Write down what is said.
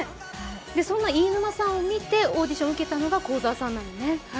そんな飯沼さんを見てオーディションを受けたのが幸澤さんなんだよね。